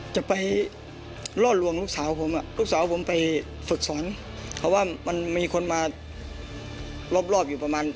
จะไปล่อลวงลูกสาวผมลูกสาวผมไปฝึกสอนเขาว่ามันมีคนมารอบอยู่ประมาณ